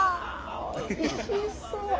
おいしそう。